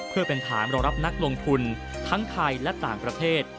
เพื่อเป็นฐานรองรับนักลงทุนทั้งไทยและต่างประเทศ